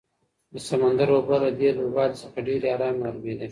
د سمندر اوبه له دې لوړوالي څخه ډېرې ارامې معلومېدې.